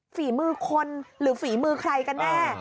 ฝีมือคนหรือฝีมือใครกันแน่